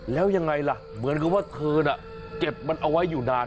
แล้วยังไงล่ะเหมือนกับว่าเธอน่ะเก็บมันเอาไว้อยู่นาน